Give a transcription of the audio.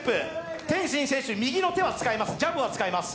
天心選手、右の手は使えます。